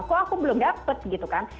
kok aku belum dapat gitu kan